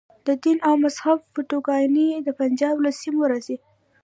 د دین او مذهب فتواګانې د پنجاب له سیمو راځي.